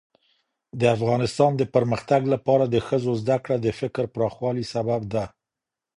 . د افغانستان د پرمختګ لپاره د ښځو زدهکړه د فکر پراخوالي سبب ده